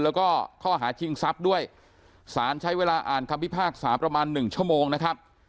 แล้วก็ข้อหาชิงทรัพย์ด้วยสารใช้เวลาอ่านคำพิพากษาประมาณหนึ่งชั่วโมงนะครับ